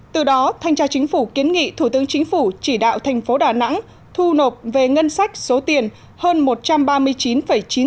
từ đó thanh tra chính phủ kiến nghị thủ tướng chính phủ chỉ đạo tp đà nẵng thu nộp về ngân sách số tiền hơn một trăm ba mươi